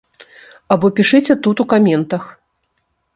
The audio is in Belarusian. Або пішыце тут у каментах.